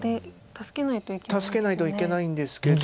助けないといけないんですけど。